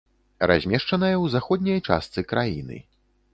Размешчаная ў заходняй частцы краіны.